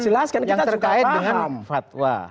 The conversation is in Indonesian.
sikap kedua orang yang terkait dengan fatwa